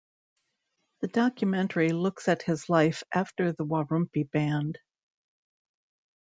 The documentary looks at his life after the Warumpi Band.